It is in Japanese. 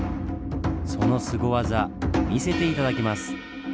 そのすご技見せて頂きます。